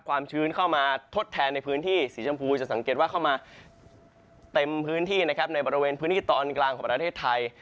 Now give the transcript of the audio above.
ความชื้นเข้ามาทดแทนในพื้นที่สีชมพูจะสังเกตว่าเข้ามาเต็มพื้นที่นะครับในบริเวณพื้นที่ตอนกลางของประเทศไทย